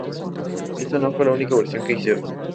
Esta no fue la única versión que hicieron.